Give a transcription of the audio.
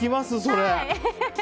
それ。